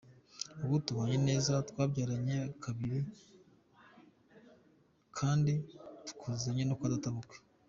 Ubu tubanye neza, tubyaranye kabiri kandi twuzuzanya no kwa databukwe.